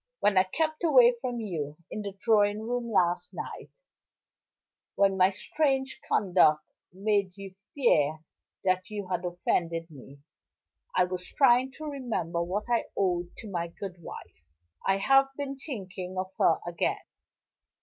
"When I kept away from you in the drawing room, last night when my strange conduct made you fear that you had offended me I was trying to remember what I owed to my good wife. I have been thinking of her again.